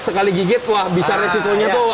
sekali gigit wah bisa resikonya tuh